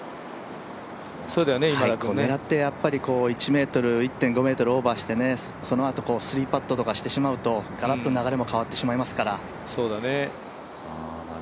狙って１ｍ、１．５ｍオーバーしてしまうとそのあと３パットとかしてしまうとガラッと流れも変わってしまいますから。